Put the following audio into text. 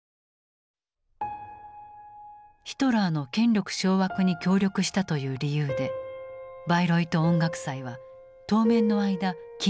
ヒトラーの権力掌握に協力したという理由でバイロイト音楽祭は当面の間禁止となった。